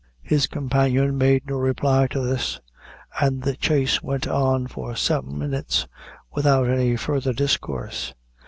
His companion made no reply to this, and the chaise went on for some minutes without any further discourse.